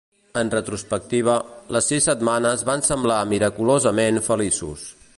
En retrospectiva, les sis setmanes van semblar miraculosament feliços.